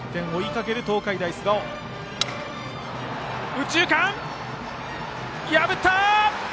右中間を破った！